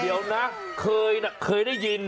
เดี๋ยวนะเคยได้ยิน